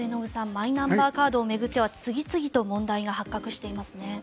マイナンバーカードを巡っては次々と問題が発覚していますね。